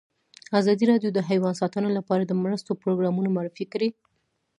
ازادي راډیو د حیوان ساتنه لپاره د مرستو پروګرامونه معرفي کړي.